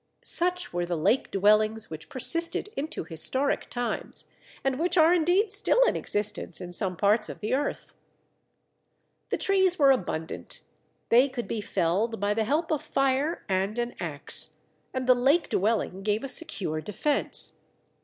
Such were the lake dwellings which persisted into historic times, and which are indeed still in existence in some parts of the earth. Munro, Lake Dwellings. The trees were abundant; they could be felled by the help of fire and an axe, and the lake dwelling gave a secure defence.